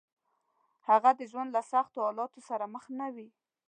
هغه د ژوند له سختو حالاتو سره مخ نه وي.